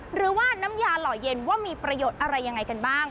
หรือว่าน้ำยาหล่อเย็นว่ามีประโยชน์อะไรยังไงกันบ้าง